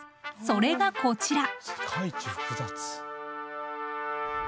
それがこちら！